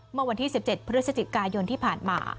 เมื่อวันที่๑๗พฤศจิกายนที่ผ่านมา